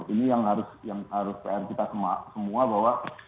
ini yang harus pr kita semua bahwa